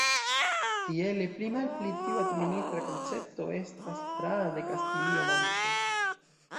Tiele pli malpli tiu administra koncepto estas praa de Kastilio-Manĉo.